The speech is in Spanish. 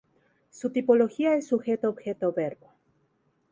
Su tipología es Sujeto Objeto Verbo.